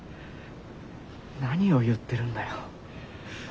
何を言ってるんだよ。